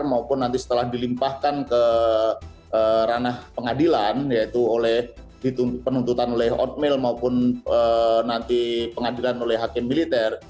maupun nanti setelah dilimpahkan ke ranah pengadilan yaitu oleh penuntutan oleh otmail maupun nanti pengadilan oleh hakim militer